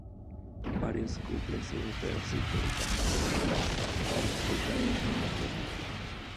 Varios clubes europeos se interesaron por el tras la disputa de este campeonato.